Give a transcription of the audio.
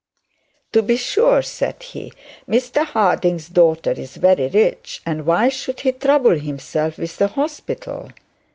'To be sure,' said he; 'Mr Harding's daughter is very rich, and why should he trouble himself with the hospital?'